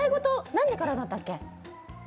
何時からだったっけ？